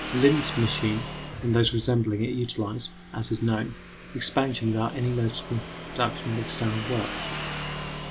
Linde's machine and those resembling it utilize, as is known, expansion without any notable production of external work.